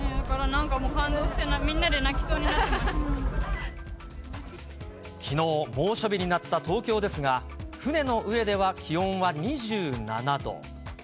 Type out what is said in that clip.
３、なんか感動して、みんなで泣きのう、猛暑日になった東京ですが、船の上では気温は２７度。